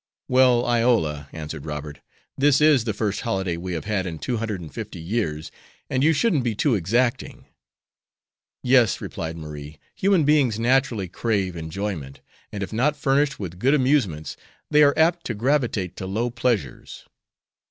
"Well, Iola," answered Robert, "this is the first holiday we have had in two hundred and fifty years, and you shouldn't be too exacting." "Yes," replied Marie, "human beings naturally crave enjoyment, and if not furnished with good amusements they are apt to gravitate to low pleasures."